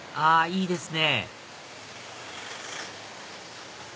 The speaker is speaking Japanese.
いいですね！